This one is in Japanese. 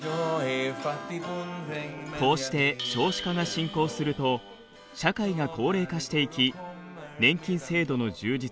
こうして少子化が進行すると社会が高齢化していき年金制度の充実